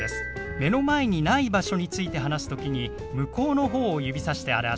目の前にない場所について話す時に向こうの方を指さして表します。